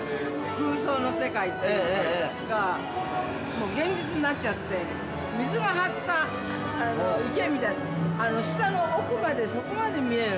◆空想の世界がもう現実になっちゃって、水が張った池みたい下の奥まで、底まで見える。